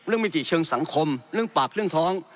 มิติเชิงสังคมเรื่องปากเรื่องท้อง